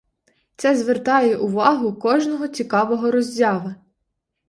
Це звертає увагу кожного цікавого роззяви.